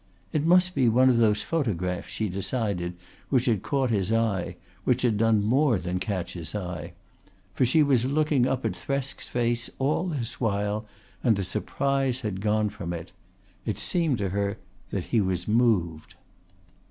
It must be one of those photographs, she decided, which had caught his eye, which had done more than catch his eye. For she was looking up at Thresk's face all this while, and the surprise had gone from it. It seemed to her that he was moved.